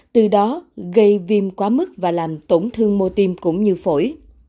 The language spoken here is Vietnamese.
từ đó gây viêm quá mức và làm tổn thương mô tim cũng như phổi